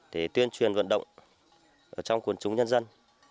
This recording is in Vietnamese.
để tuyên truyền vận động trong quần chúng nhân dân